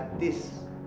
untuk kita sekeluarga